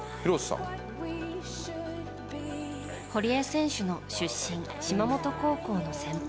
堀江選手の出身・島本高校の先輩